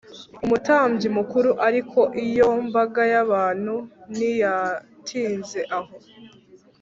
umutambyi mukuru Ariko iyo mbaga y abantu ntiyatinze aho